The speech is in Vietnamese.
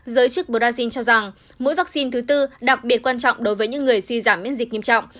giới chức brazil cho rằng mỗi vaccine thứ tư đặc biệt quan trọng đối với những người suy giảm miễn dịch nghiêm trọng